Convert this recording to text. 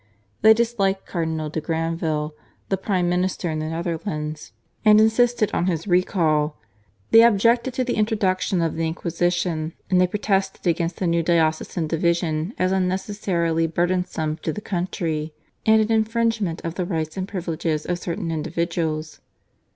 They disliked Cardinal de Granvelle, the prime minister in the Netherlands, and insisted on his recall. They objected to the introduction of the Inquisition, and they protested against the new diocesan division as unnecessary, burdensome to the country, and an infringement of the rights and privileges of certain individuals.